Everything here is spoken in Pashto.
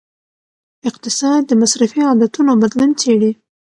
اقتصاد د مصرفي عادتونو بدلون څیړي.